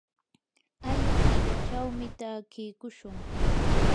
aya killachawmi takiykushun.